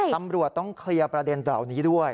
ตำรวจต้องเคลียร์ประเด็นเหล่านี้ด้วย